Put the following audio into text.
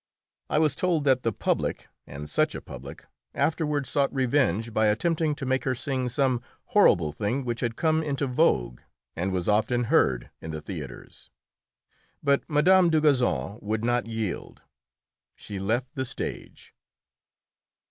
I was told that the public and such a public afterward sought revenge by attempting to make her sing some horrible thing which had come into vogue and was often heard in the theatres. But Mme. Dugazon would not yield. She left the stage.